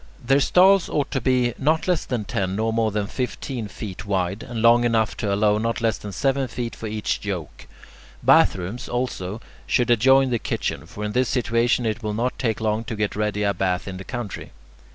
Their stalls ought to be not less than ten nor more than fifteen feet wide, and long enough to allow not less than seven feet for each yoke. Bathrooms, also, should adjoin the kitchen; for in this situation it will not take long to get ready a bath in the country.